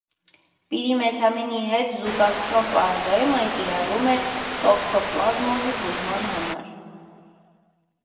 Պիրիմեթամինի հետ զուգակցման պարագայում այն կիրառվում է տոքսոպլազմոզի բուժման համար։